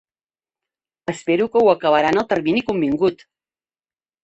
Espero que ho acabarà en el termini convingut.